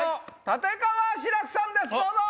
立川志らくさんですどうぞ！